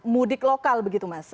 mudik lokal begitu mas